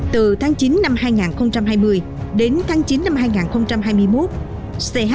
từ tháng chín năm hai nghìn hai mươi đến tháng chín năm hai nghìn hai mươi một